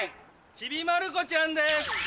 ちびまる子ちゃんです。